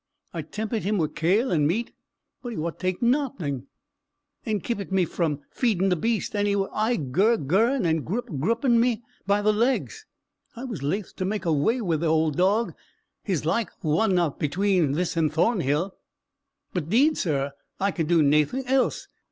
I tempit him wi' kail and meat, but he wad tak naething, and keepit me frae feedin' the beast, and he was aye gur gurrin', and grup gruppin' me by the legs. I was laith to make awa wi' the auld dowg, his like wasna atween this and Thornhill but, 'deed, sir, I could do naething else."